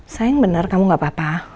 sayang benar kamu gak apa apa